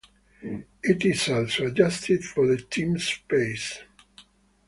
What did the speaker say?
It is also adjusted for the team's pace.